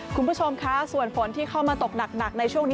คุณผู้ชมคะส่วนฝนที่เข้ามาตกหนักในช่วงนี้